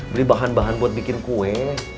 beli bahan bahan buat bikin kue